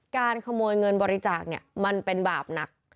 การขโมยเงินบริจาคเนี่ยมันเป็นบาปหนัก